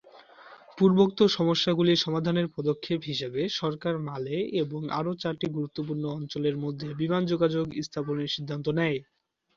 পূর্বোক্ত সমস্যাগুলি সমাধানের পদক্ষেপ হিসাবে সরকার মালে এবং আরও চারটি গুরুত্বপূর্ণ অঞ্চলের মধ্যে বিমান যোগাযোগ স্থাপনের সিদ্ধান্ত নেয়।